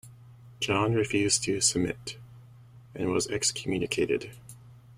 John refused to submit, and was excommunicated.